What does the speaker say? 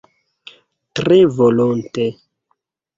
Tre volonte!